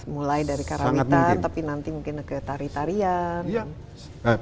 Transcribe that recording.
mulai dari karawitan tapi nanti mungkin ke tari tarian